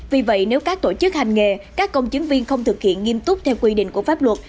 vì vậy nếu các tổ chức hành nghề các công chứng viên không thực hiện nghiêm túc theo quy định của pháp luật